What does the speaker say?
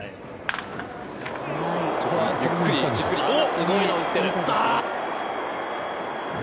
すごいの打ってる！